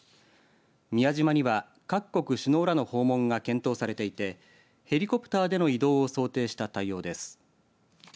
宮島には各国首脳らの訪問が検討されていてヘリコプターでの移動を想定した対応です。